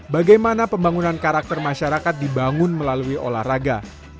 bagaimana pembangunan karakter masyarakat dibangun melalui olahraga